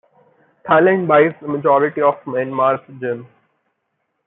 Thailand buys the majority of Myanmar's gems.